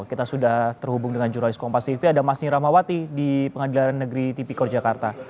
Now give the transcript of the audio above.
kita sudah terhubung dengan jurnalis kompas tv ada mas nir rahmawati di pengadilan negeri tipikor jakarta